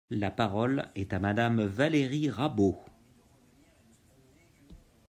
La parole est à Madame Valérie Rabault.